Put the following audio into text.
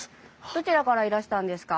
どちらからいらしたんですか？